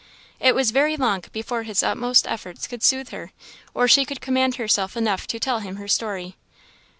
It was very long before his utmost efforts could soothe her, or she could command herself enough to tell him her story.